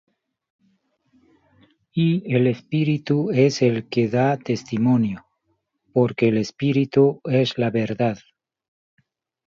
Y el Espíritu es el que da testimonio: porque el Espírtiu es la verdad.